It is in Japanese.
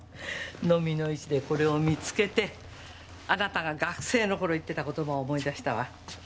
蚤の市でこれを見つけてあなたが学生の頃言ってた言葉を思い出したわ。